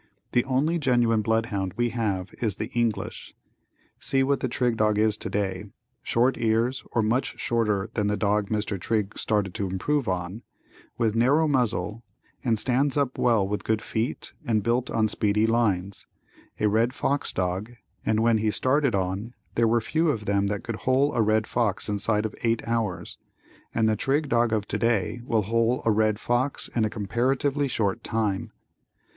The only genuine blood hound we have is the English. See what the Trigg dog is today, short ears or much shorter than the dog Mr. Trigg started to improve on, with narrow muzzle, and stands up well with good feet and built on speedy lines, a red fox dog, and when he started on there were few of them that could hole a red fox inside of eight hours, and the Trigg dog of today will hole a red fox in a comparatively short time.